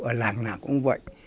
ở làng nào cũng vậy